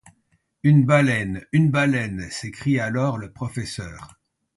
Une baleine ! une baleine ! s’écrie alors le professeur.